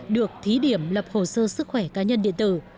được thí điểm lập hồ sơ sức khỏe cá nhân điện tử